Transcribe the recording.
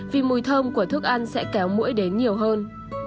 vì mùi thơm của thức ăn sẽ kéo mũi đến nhiều hơn